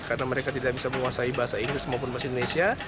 karena mereka tidak bisa menguasai bahasa inggris maupun bahasa indonesia